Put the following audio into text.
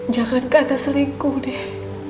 jangan kata selingkuh deh